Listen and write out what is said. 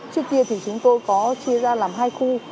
trước kia thì chúng tôi có chia ra làm hai khu